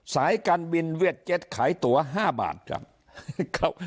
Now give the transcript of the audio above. สายการบินเวียดเจ็ตขายตัว๕บาทครับ